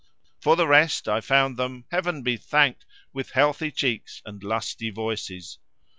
For the rest, I found them, Heaven be thanked! with healthy cheeks and lusty voices.